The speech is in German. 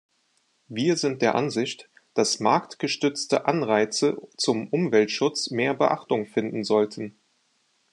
Wir sind der Ansicht, dass marktgestützte Anreize zum Umweltschutz mehr Beachtung finden sollten.